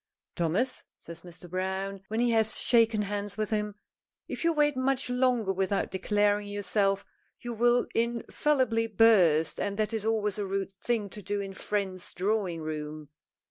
"Thomas," says Mr. Browne, when he has shaken hands with him, "if you wait much longer without declaring yourself you will infallibly burst, and that is always a rude thing to do in a friend's drawing room.